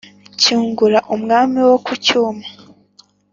cyungura umwami wo ku cyuma